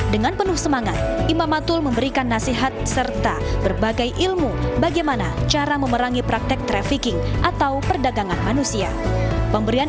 dengan penuh semangat imam matul memberikan nasihat serta berbagai ilmu bagaimana cara memerangi praktek trafficking atau perdagangan manusia